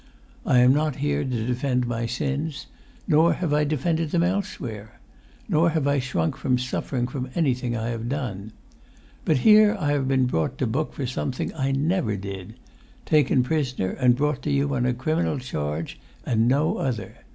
I am not here to defend my sins; nor have I defended them elsewhere; nor have I shrunk from suffering from anything I have done. But here have I been brought to book for something I never did—taken prisoner and brought to you on a criminal charge and no other.